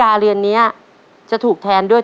ตัวเลือดที่๓ม้าลายกับนกแก้วมาคอ